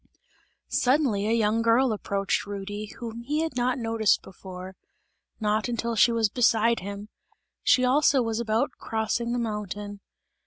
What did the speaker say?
Suddenly a young girl approached Rudy, whom he had not noticed before; not until she was beside him; she also was about crossing the mountain.